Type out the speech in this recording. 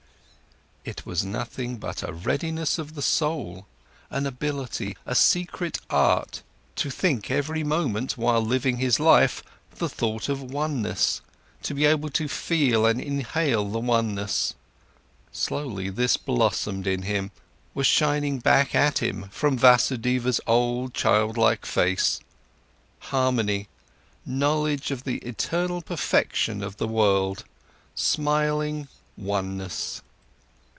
It was nothing but a readiness of the soul, an ability, a secret art, to think every moment, while living his life, the thought of oneness, to be able to feel and inhale the oneness. Slowly this blossomed in him, was shining back at him from Vasudeva's old, childlike face: harmony, knowledge of the eternal perfection of the world, smiling, oneness.